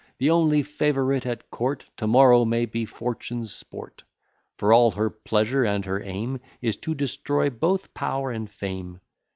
The only favourite at court, To morrow may be Fortune's sport; For all her pleasure and her aim Is to destroy both power and fame.